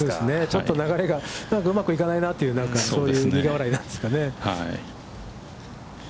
ちょっと流れがなんか、うまくいかないなというそういう苦笑いなんですかね。